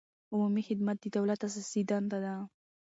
عمومي خدمت د دولت اساسي دنده ده.